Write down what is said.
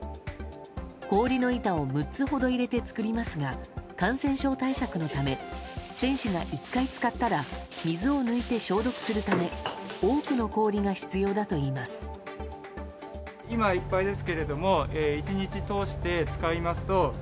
氷の板を６つほど入れて作りますが感染症対策のため選手が１回使ったら水を抜いて消毒するため多くの氷が必要だといいます。